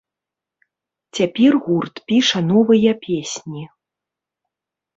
Цяпер гурт піша новыя песні.